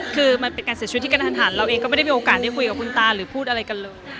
คือมันเป็นการเสียชีวิตที่กระทันหันเราเองก็ไม่ได้มีโอกาสได้คุยกับคุณตาหรือพูดอะไรกันเลย